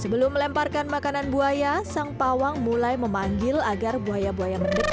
sebelum melemparkan makanan buaya sang pawang mulai memanggil agar buaya buaya mendekat